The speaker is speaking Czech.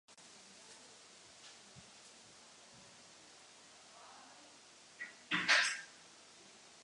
Každý by měl mít možnost zhlédnout takové události zdarma.